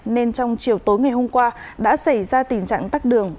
nên trong chiều tối ngày hôm qua đã xảy ra tình trạng tắt đường